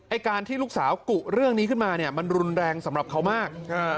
การที่ลูกสาวกุเรื่องนี้ขึ้นมาเนี่ยมันรุนแรงสำหรับเขามาก